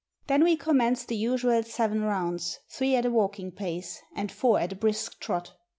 Then we com menced the usual seven rounds, three at a walking pace, and four at a brisk trot.